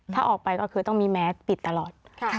ถ้าออกไปก็คือต้องมีแมสปิดตลอด